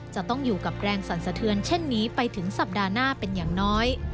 จะต้องอยู่กับแรงสั่นสะเทือนเช่นนี้ไปถึงสัปดาห์หน้าเป็นอย่างน้อย